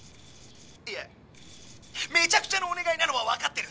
いやめちゃくちゃなお願いなのは分かってる！